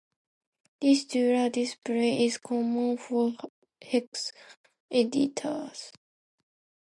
This dual display is common for hex editors.